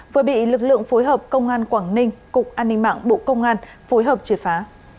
vừa bị lực lượng phối hợp công an quảng ninh cục an ninh mạng bộ công an phối hợp triệt phá